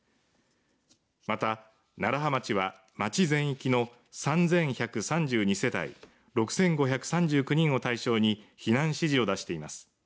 また、楢葉町は町全域の３１３２世帯６５３９人を対象に避難指示を出しています。